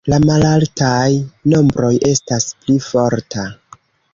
La malaltaj nombroj estas pli forta.